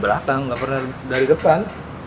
belakang gak pernah dari depan